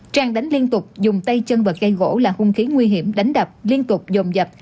trang đánh liên tục dùng tay chân và gây gỗ là hung khí nguy hiểm đánh đập liên tục dồn dập